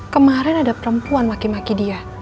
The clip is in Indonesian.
kemarin ada perempuan maki maki dia